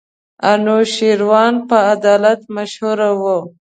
انوشېروان په عدالت مشهور وو.